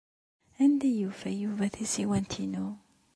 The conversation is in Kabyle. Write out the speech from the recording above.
Anda ay d-yufa Yuba tasiwant-inu?